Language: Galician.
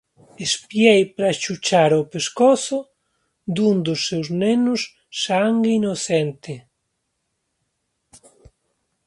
Espiei para chuchar ó pescozo dun dos Seus nenos sangue inocente.